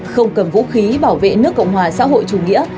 không cầm vũ khí bảo vệ nước cộng hòa xã hội chủ nghĩa